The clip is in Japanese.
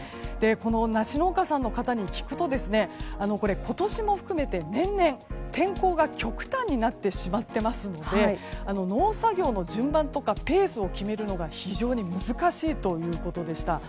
梨農家さんの方に聞くと今年も含めて年々、天候が極端になってしまっていますので農作業の順番とかペースを決めるのが非常に難しいということでした。